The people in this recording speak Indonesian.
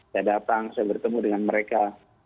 saya datang saya bertemu dengan mereka